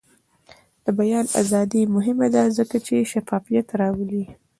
د بیان ازادي مهمه ده ځکه چې شفافیت راولي.